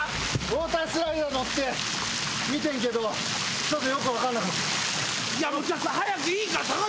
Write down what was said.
ウオータースライダー乗って見てるけどよく分かんなかった。